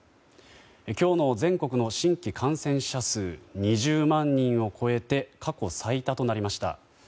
今日の新規感染者数２０万を超えて過去最多となりました。